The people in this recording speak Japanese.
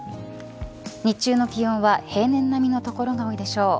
日中の気温は平年並みの所が多いでしょう。